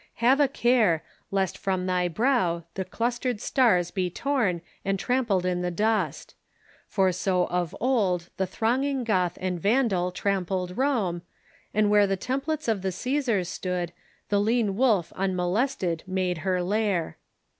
Have a care Lest from thy brow the clustered stars be torn And trampled in the dust. For so of old The thronging Goth and Vandal trampled Rome, And where the temples of the Caesars stood The lean wolf unmolested made her lair."'